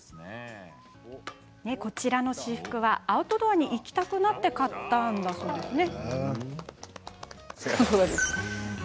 こちらの私服はアウトドアに行きたくなって買ったそうですね？